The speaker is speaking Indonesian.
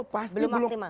pasti belum optimal